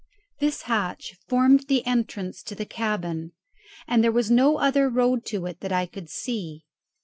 This hatch formed the entrance to the cabin, and there was no other road to it that I could see.